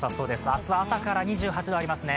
明日は朝から２８度ありそうですね。